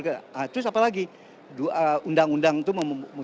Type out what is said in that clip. terus apa lagi undang undang itu memutuskan